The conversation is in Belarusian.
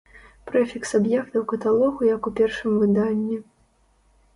Прэфікс аб'ектаў каталогу як у першым выданні.